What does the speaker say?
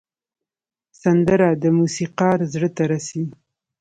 سندره د موسیقار زړه ته رسي